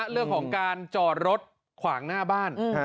เรื่องของการจอดรถขวางหน้าบ้าน